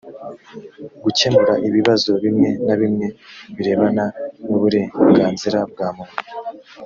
gukemura ibibazo bimwe na bimwe birebana n uburengazira bwa muntu